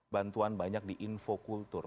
bantuan banyak di infokultur